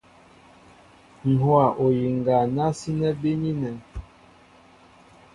Ǹ hówa oyiŋga ná sínɛ́ bínínɛ̄.